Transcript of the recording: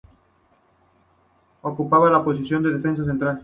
Ocupaba la posición de defensa central.